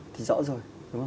thì rõ rồi